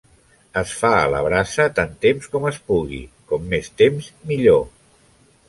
Es fa a la brasa tant temps com es pugui, com més temps, millor.